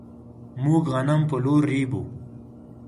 موږ غنم په لور ريبو.